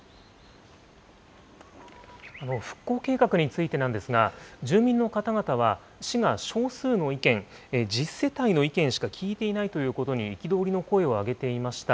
復興計画についてなんですが、住民の方々は、市が少数の意見、１０世帯の意見しか聞いていないということに憤りの声を上げていました。